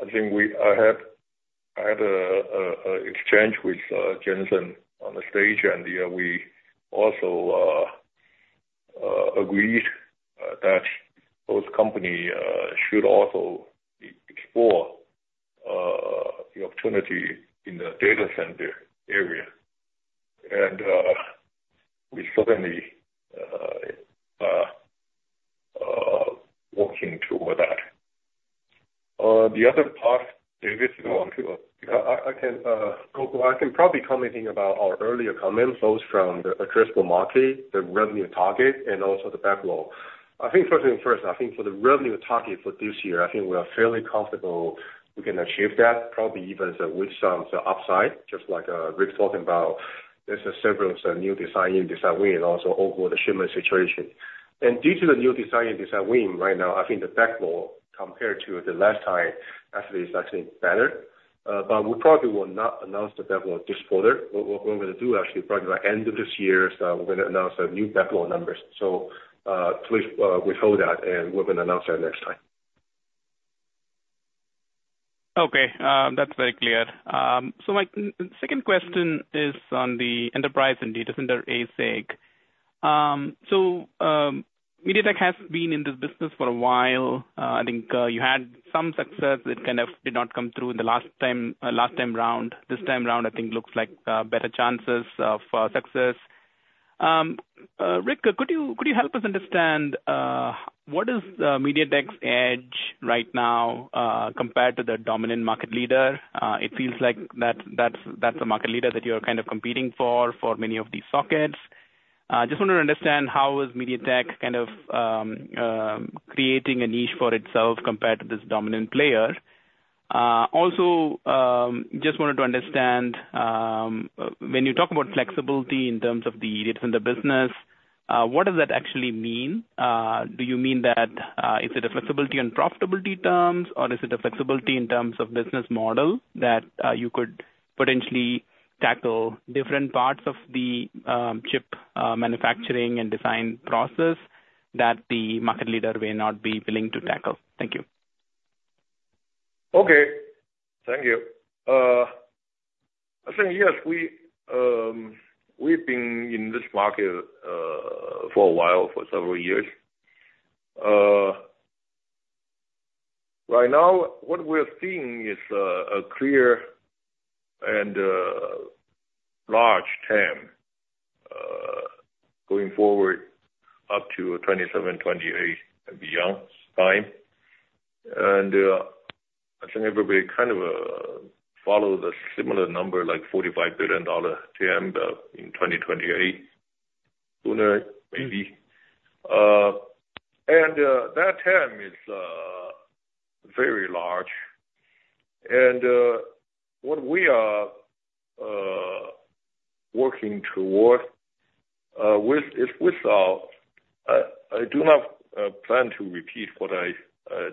I think I had an exchange with Jensen on the stage, and, yeah, we also agreed that both company should also explore the opportunity in the data center area. We certainly are working toward that. The other part, David, you want to— I can probably comment about our earlier comments, both from the addressable market, the revenue target, and also the backlog. I think first things first, I think for the revenue target for this year, I think we are fairly comfortable we can achieve that, probably even with some upside, just like Rick's talking about. There's several new design in, design win, and also overall the shipment situation. And due to the new design and design win, right now, I think the backlog, compared to the last time, actually is actually better. But we probably will not announce the backlog this quarter. What we're going to do, actually, probably by end of this year, is we're going to announce our new backlog numbers. So, please withhold that, and we're going to announce that next time. Okay, that's very clear. So my second question is on the enterprise and data center ASIC. MediaTek has been in this business for a while. I think you had some success. It kind of did not come through in the last time, last time round. This time round, I think looks like better chances of success. Rick, could you help us understand what is MediaTek's edge right now compared to the dominant market leader? It feels like that's the market leader that you're kind of competing for many of these sockets. I just wanted to understand how is MediaTek kind of creating a niche for itself compared to this dominant player? Also, just wanted to understand, when you talk about flexibility in terms of the data center business, what does that actually mean? Do you mean that, is it a flexibility on profitability terms, or is it a flexibility in terms of business model, that you could potentially tackle different parts of the chip manufacturing and design process, that the market leader may not be willing to tackle? Thank you. Okay. Thank you. I think, yes, we, we've been in this market for a while, for several years. Right now, what we're seeing is a clear and large TAM going forward up to 27, 28, and beyond time. And I think everybody kind of follow the similar number, like $45 billion TAM in 2028. Sooner, maybe. And that TAM is very large. And what we are working toward with is with our... I do not plan to repeat what I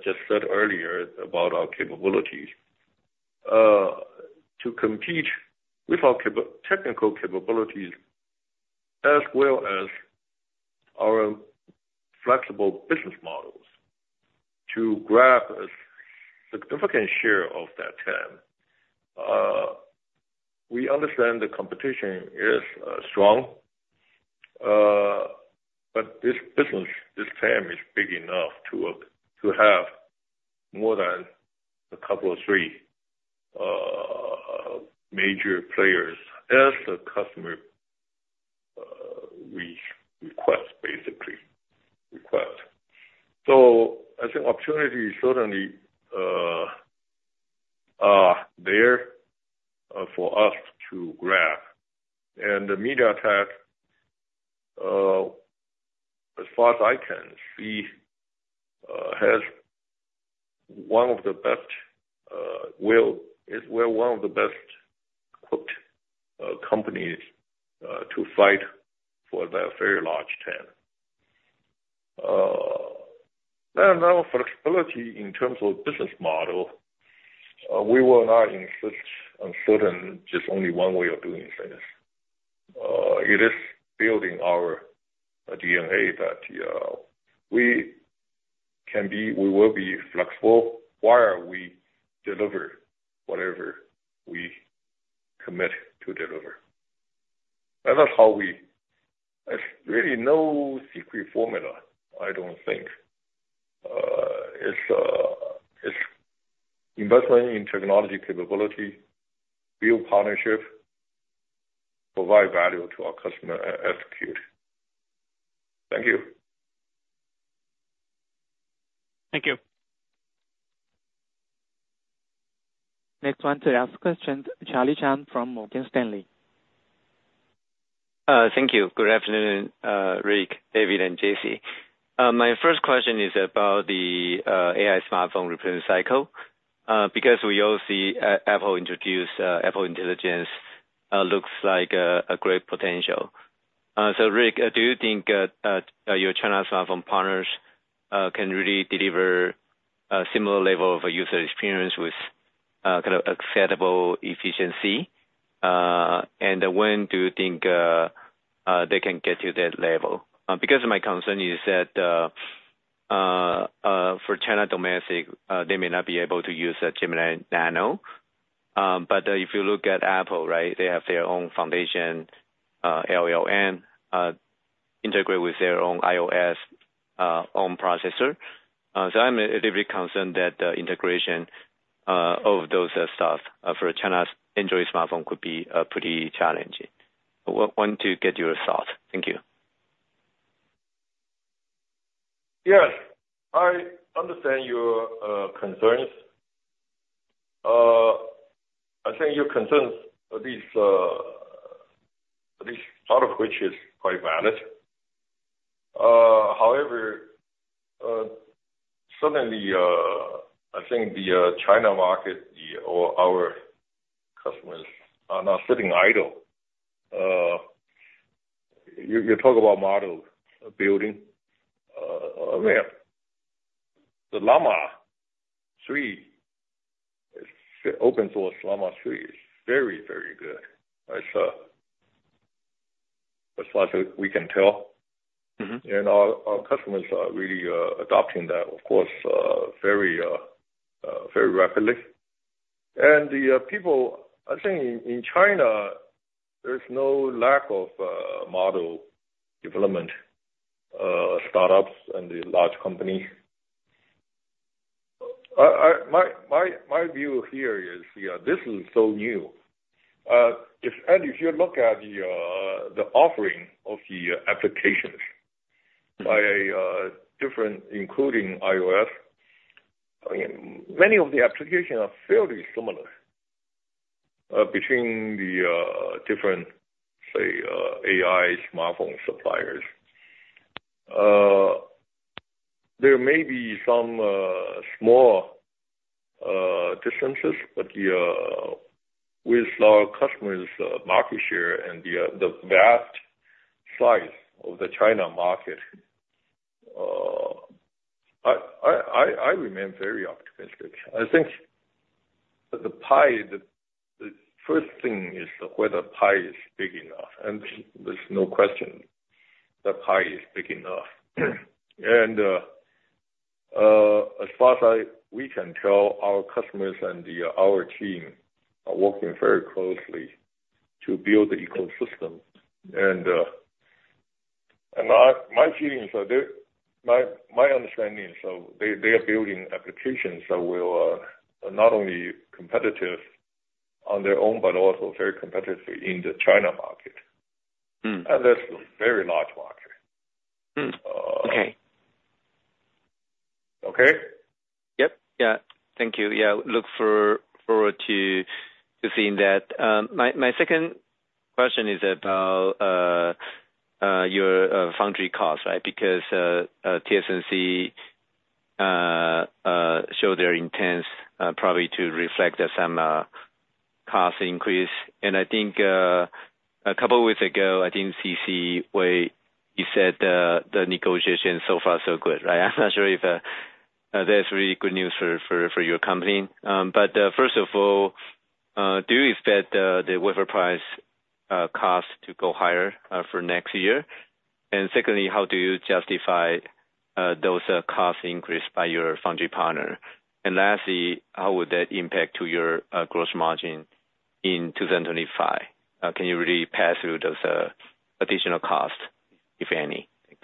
just said earlier about our capabilities. To compete with our technical capabilities, as well as our flexible business model... to grab a significant share of that TAM, we understand the competition is strong. But this business, this TAM, is big enough to have more than a couple of three major players as the customer request, basically, request. So I think opportunities certainly are there for us to grab. And the MediaTek, as far as I can see, has one of the best, is, we're one of the best equipped companies to fight for that very large TAM. And our flexibility in terms of business model, we will not insist on certain, just only one way of doing things. It is built in our DNA that we can be, we will be flexible while we deliver whatever we commit to deliver. That is how there's really no secret formula, I don't think. It's investment in technology capability, build partnership, provide value to our customer, and execute. Thank you. Thank you. Next one to ask questions, Charlie Chan from Morgan Stanley. Thank you. Good afternoon, Rick, David, and Jessie. My first question is about the AI smartphone recruiting cycle, because we all see Apple introduce Apple Intelligence, looks like a great potential. So Rick, do you think your China smartphone partners can really deliver a similar level of user experience with kind of acceptable efficiency? And when do you think they can get to that level? Because my concern is that for China domestic, they may not be able to use the Gemini Nano. But if you look at Apple, right, they have their own foundation LLM integrated with their own iOS, own processor. I'm a little bit concerned that the integration of those stuff for China's Android smartphone could be pretty challenging. I want to get your thoughts. Thank you. Yes, I understand your concerns. I think your concerns, at least part of which is quite valid. However, certainly, I think the China market, or our customers are not sitting idle. You talk about model building. Well, the Llama 3, open source Llama 3 is very, very good. It's as far as we can tell. Mm-hmm. And our customers are really adopting that, of course, very, very rapidly. And the people, I think in China, there's no lack of model development, startups and the large company. My view here is this is so new. And if you look at the offering of the applications- Mm-hmm... by different, including iOS. I mean, many of the applications are fairly similar between the different, say, AI smartphone suppliers. There may be some small differences, but with our customers' market share and the vast size of the China market, I remain very optimistic. I think the pie, the first thing is whether pie is big enough, and there's no question the pie is big enough. As far as we can tell, our customers and our team are working very closely to build the ecosystem. My understanding is, so they are building applications that will not only competitive on their own, but also very competitive in the China market. Mm. That's a very large market. Mm. Okay. Okay? Yep. Yeah. Thank you. Yeah, look forward to seeing that. My second question is about your foundry costs, right? Because TSMC show their intents probably to reflect that some cost increase. And I think a couple weeks ago, I think C.C. Wei, you said the negotiation so far so good, right? I'm not sure if that's really good news for your company. But first of all, do you expect the wafer price costs to go higher for next year? And secondly, how do you justify those cost increase by your foundry partner? And lastly, how would that impact to your gross margin in 2025? Can you really pass through those additional costs, if any? Thanks.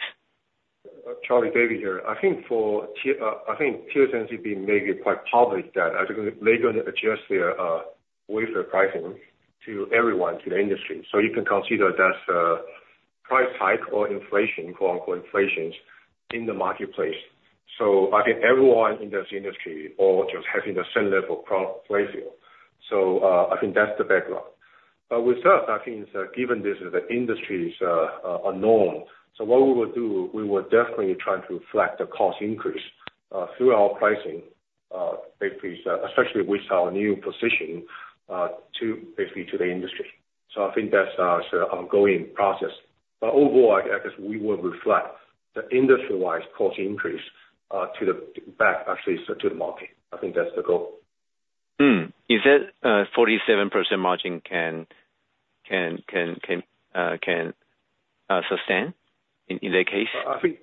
Charlie, David here. I think TSMC made it quite public that actually they're gonna adjust their wafer pricing to everyone, to the industry. So you can consider that price hike or inflation, quote, unquote, "inflations" in the marketplace. So I think everyone in this industry all just having the same level of price ratio. So I think that's the background. But with that, I think that given this is the industry's a norm, so what we will do, we will definitely try to reflect the cost increase through our pricing, basically, especially with our new position to basically to the industry. So I think that's an ongoing process. But overall, I guess we will reflect the industry-wide cost increase to the back, actually, so to the market. I think that's the goal. Is that 47% margin can sustain in that case?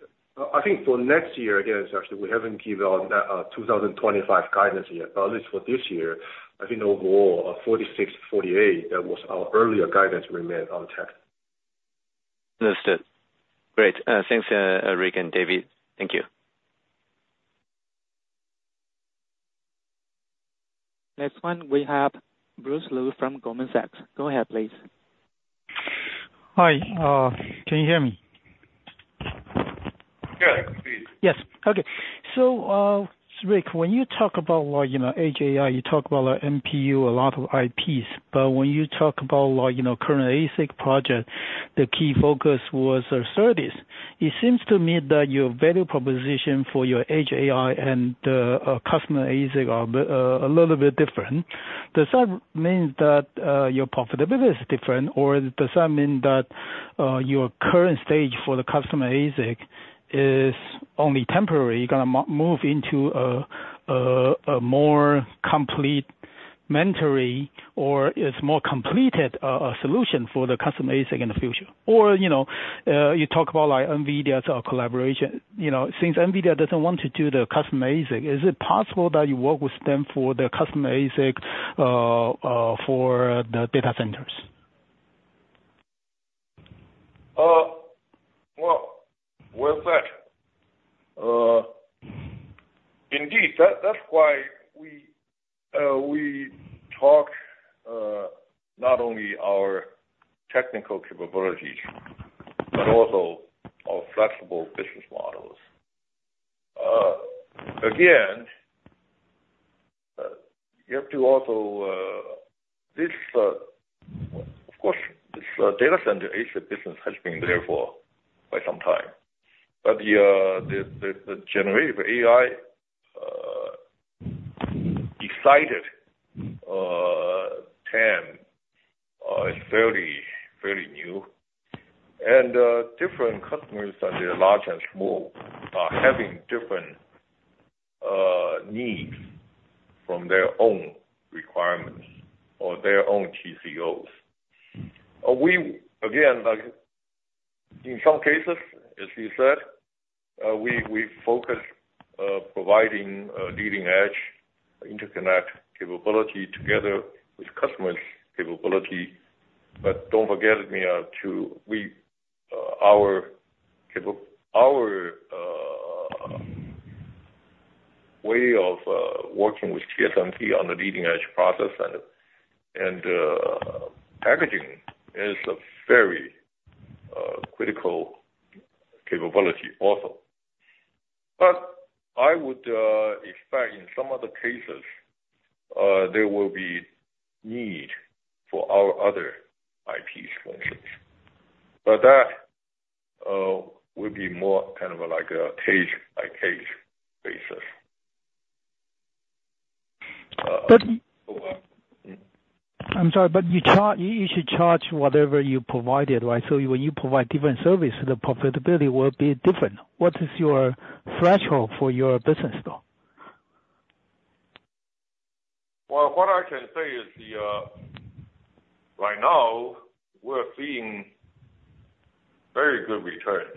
I think for next year, again, actually, we haven't given out that 2025 guidance yet. But at least for this year, I think overall, 46-48, that was our earlier guidance we made on tech. Understood. Great. Thanks, Rick and David. Thank you. Next one, we have Bruce Lu from Goldman Sachs. Go ahead, please. Hi, can you hear me? Yeah, please. Yes. Okay. So, Rick, when you talk about, like, you know, Edge AI, you talk about, like, MPU, a lot of IPs. But when you talk about, like, you know, current ASIC project, the key focus was our service. It seems to me that your value proposition for your Edge AI and customer ASIC are a little bit different. Does that mean that your profitability is different, or does that mean that your current stage for the customer ASIC is only temporary, you're gonna move into a more complementary or more complete solution for the customer ASIC in the future? Or, you know, you talk about like NVIDIA's collaboration. You know, since NVIDIA doesn't want to do the customer ASIC, is it possible that you work with them for the customer ASIC, for the data centers? Well, with that, indeed, that's why we talk not only our technical capabilities, but also our flexible business models. Again, you have to also this, of course, this data center ASIC business has been there for quite some time. But the generative AI exciting TAM is fairly new. And different customers whether they're large and small are having different needs from their own requirements or their own TCOs. We again, like, in some cases, as you said, we focus providing leading-edge interconnect capability together with customers' capability. But don't forget. We our way of working with TSMC on the leading-edge process and packaging is a very critical capability also. But I would expect in some of the cases there will be need for our other IP functions. But that would be more kind of like a case-by-case basis. But- Well. I'm sorry, but you should charge whatever you provided, right? So when you provide different service, the profitability will be different. What is your threshold for your business, though? Well, what I can say is, right now, we're seeing very good returns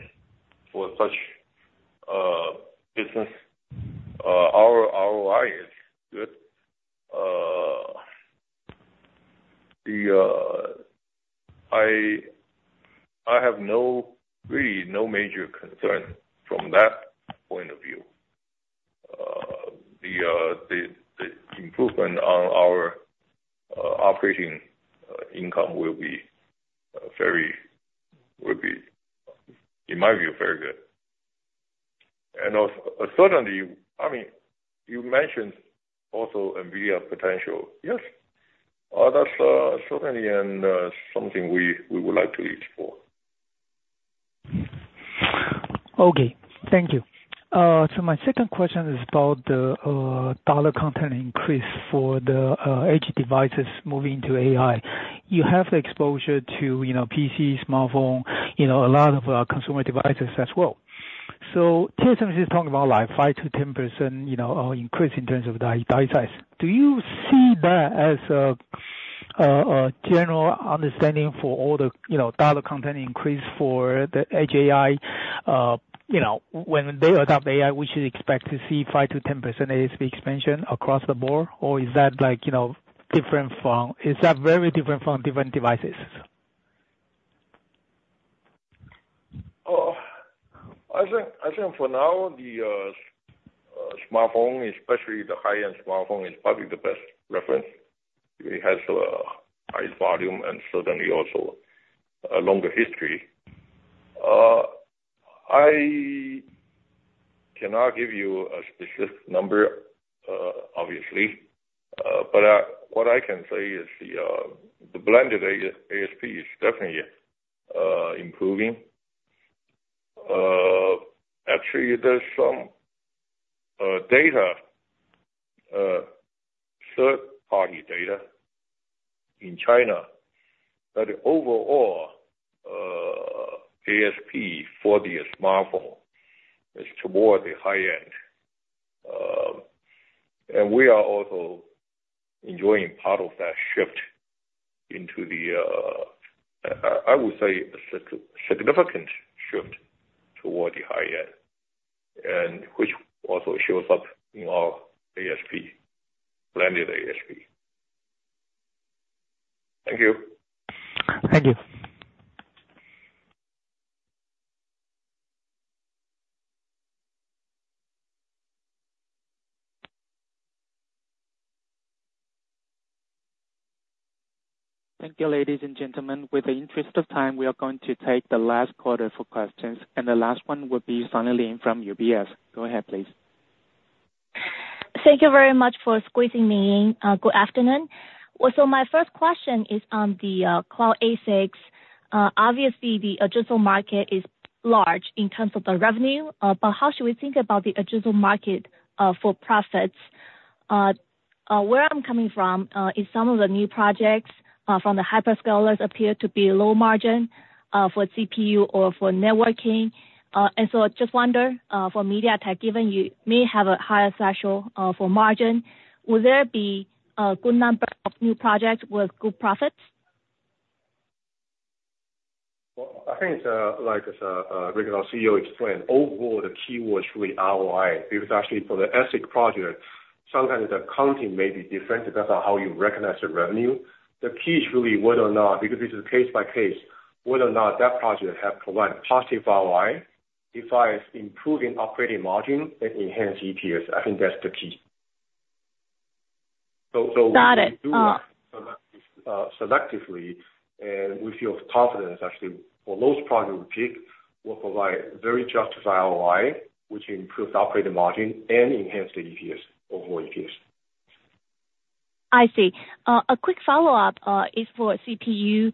for such business. Our ROI is good. I have no, really no major concern from that point of view. The improvement on our operating income will be very good, in my view. And certainly, I mean, you mentioned also NVIDIA potential. Yes, that's certainly and something we would like to explore. Okay. Thank you. So my second question is about the dollar content increase for the edge devices moving to AI. You have exposure to, you know, PCs, smartphone, you know, a lot of consumer devices as well.... So TSMC is talking about like 5%-10%, you know, increase in terms of die size. Do you see that as a general understanding for all the, you know, dollar content increase for the edge AI? You know, when they adopt AI, we should expect to see 5%-10% ASP expansion across the board? Or is that like, you know, different from... Is that very different from different devices? I think, I think for now, the smartphone, especially the high-end smartphone, is probably the best reference. It has high volume and certainly also a longer history. I cannot give you a specific number, obviously, but what I can say is the blended ASP is definitely improving. Actually, there's some data, third-party data in China, that the overall ASP for the smartphone is toward the high end. And we are also enjoying part of that shift into the, I would say, a significant shift toward the high end, and which also shows up in our ASP, blended ASP. Thank you. Thank you. Thank you, ladies and gentlemen. With the interest of time, we are going to take the last quarter for questions, and the last one will be Sunny Lin from UBS. Go ahead, please. Thank you very much for squeezing me in. Good afternoon. Well, so my first question is on the cloud ASICs. Obviously the addressable market is large in terms of the revenue, but how should we think about the addressable market for profits? Where I'm coming from is some of the new projects from the hyperscalers appear to be low margin for CPU or for networking. And so I just wonder, for MediaTek, given you may have a higher threshold for margin, will there be a good number of new projects with good profits? Well, I think it's like, as Rick, our CEO, explained, overall, the key was really ROI. It was actually for the ASIC project, sometimes the accounting may be different, depends on how you recognize the revenue. The key is really whether or not, because this is case by case, whether or not that project have provided positive ROI, device improving operating margin and enhance EPS. I think that's the key. So, so- Got it. Selectively, and we feel confident, actually, for those projects we pick, will provide very justified ROI, which improves operating margin and enhance the EPS, overall EPS. I see. A quick follow-up is for CPU.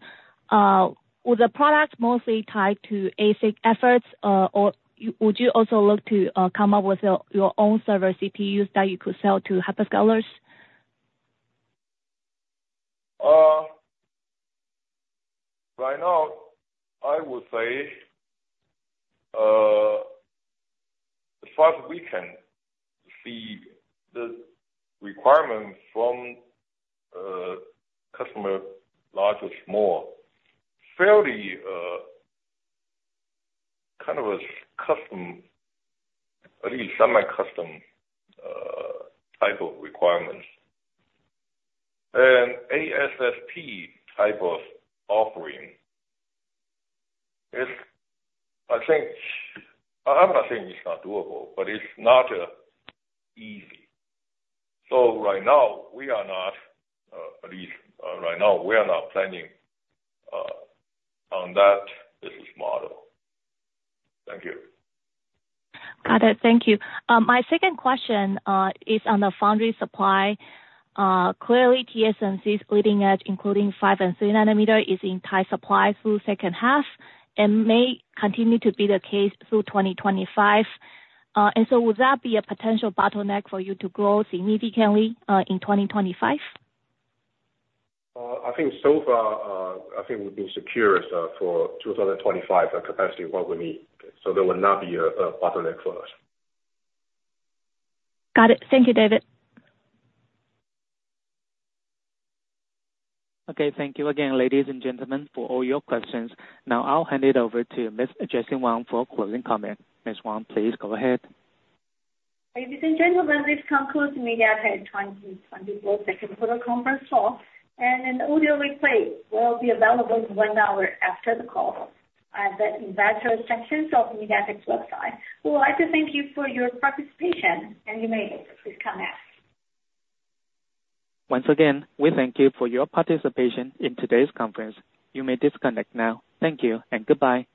Were the products mostly tied to ASIC efforts, or would you also look to come up with your own server CPUs that you could sell to hyperscalers? Right now, I would say, as far as we can see the requirements from customer, large or small, fairly kind of a custom, at least semi-custom type of requirements. An ASSP type of offering is, I think... I'm not saying it's not doable, but it's not easy. So right now we are not, at least, right now, we are not planning on that business model. Thank you. Got it. Thank you. My second question is on the foundry supply. Clearly, TSMC's leading edge, including 5- and 3-nanometer, is in tight supply through H2 and may continue to be the case through 2025. And so would that be a potential bottleneck for you to grow significantly in 2025? I think so far, I think we've been secure for 2025 capacity what we need, so there will not be a bottleneck for us. Got it. Thank you, David. Okay, thank you again, ladies and gentlemen, for all your questions. Now, I'll hand it over to Miss Jesse Wang for a closing comment. Miss Wang, please go ahead. Ladies and gentlemen, this concludes MediaTek 2024 Q2 conference call, and an audio replay will be available one hour after the call at the investor sections of MediaTek's website. We would like to thank you for your participation, and you may please come out. Once again, we thank you for your participation in today's conference. You may disconnect now. Thank you and goodbye!